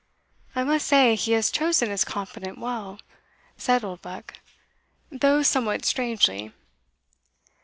"I must say he has chosen his confidant well," said Oldbuck, "though somewhat strangely."